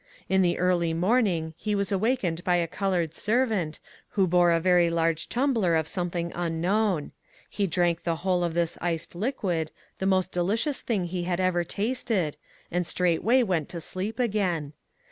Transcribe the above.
In the early morning he was awakened by a coloured servant who bore a very large tumbler of something unknown. He drank the whole of this iced liquid, the most delicious thing he had ever tasted, and straightway went to sleep again.